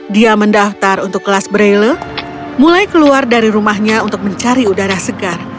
dia mendaftar untuk kelas braille mulai keluar dari rumahnya untuk mencari udara segar